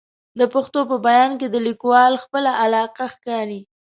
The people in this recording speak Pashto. د پېښو په بیان کې د لیکوال خپله علاقه ښکاري.